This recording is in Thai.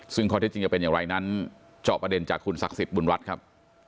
ซึ่งข้อเท็จจริงจะเป็นอย่างไรนั้นเจาะประเด็นจากคุณศักดิ์สิทธิ์บุญรัฐครับ